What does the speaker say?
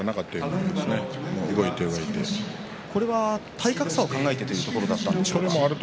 体格差を考えてというところだったんでしょうか。